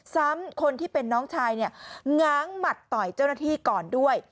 ซ้ำคนที่เป็นน้องชายเนี่ยง้างหมัดต่อยเจ้าหน้าที่ก่อนด้วย